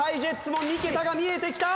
も三桁が見えてきた！